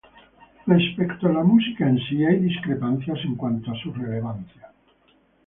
Respecto a la música en sí, hay discrepancias en cuanto a su relevancia.